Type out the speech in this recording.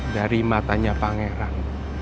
dari matanya pangeran